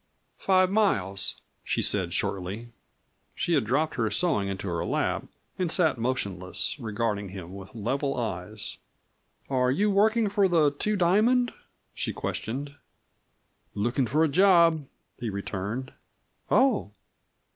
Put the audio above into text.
"Five miles," she said shortly. She had dropped her sewing into her lap and sat motionless, regarding him with level eyes. "Are you working for the Two Diamond?" she questioned. "Lookin' for a job," he returned. "Oh!"